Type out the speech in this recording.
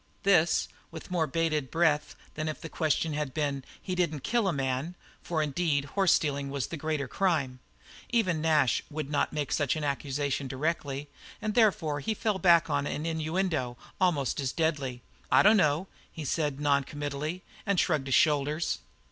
This with more bated breath than if the question had been: "He didn't kill a man?" for indeed horse stealing was the greater crime. Even Nash would not make such an accusation directly, and therefore he fell back on an innuendo almost as deadly. "I dunno," he said non committally, and shrugged his shoulders.